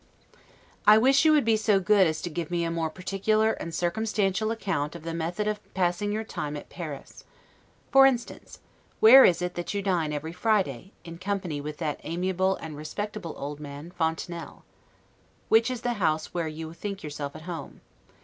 I wish you would be so good as to give me a more particular and circumstantial account of the method of passing your time at Paris. For instance, where it is that you dine every Friday, in company with that amiable and respectable old man, Fontenelle? Which is the house where you think yourself at home?